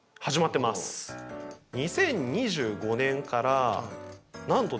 ２０２５年からなんとですね